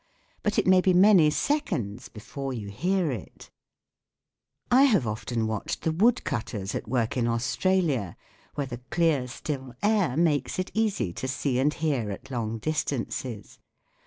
But it may be many seconds before you hear it. I have WHAT IS SOUND? II often watched the woodcutters at work in Australia, where the clear still air makes it easy to see and hear at long distances.